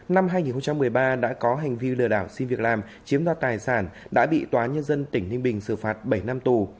năm hai nghìn một mươi ba đã có hành vi lừa đảo xin việc làm chiếm đoạt tài sản đã bị tòa nhân dân tỉnh ninh bình xử phạt bảy năm tù